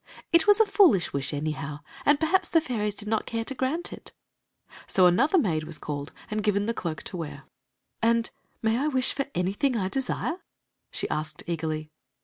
"It was a foolish wish, anyhow; and perhaps the feiries did not care to grant it." So another maid was called and given the cloak to wear. Story of the Magic Cloak "And may I wish for anything I desire?" she asked eagerly.